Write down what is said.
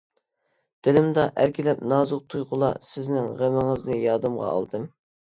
دىلىمدا ئەركىلەپ نازۇك تۇيغۇلار سىزنىڭ غېمىڭىزنى يادىمغا ئالدىم.